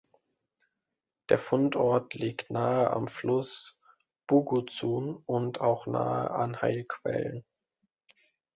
Der Fundort liegt nahe am Fluss Buguzun und auch nahe an Heilquellen.